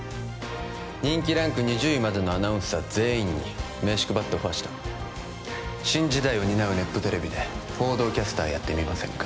人気ランク２０位までのアナウンサー全員に名刺配ってオファーした「新時代を担うネットテレビで報道キャスターやってみませんか？」